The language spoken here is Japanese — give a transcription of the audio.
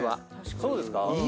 そうですか？